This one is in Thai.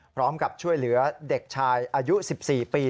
พร้อมกับช่วยเหลือเด็กชายอายุ๑๔ปี